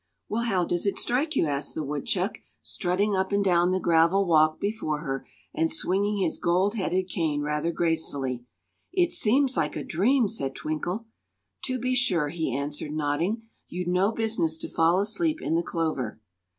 "Well, how does it strike you?" asked the woodchuck, strutting up and down the gravel walk before her and swinging his gold headed cane rather gracefully. "It seems like a dream," said Twinkle. "To be sure," he answered, nodding. "You'd no business to fall asleep in the clover."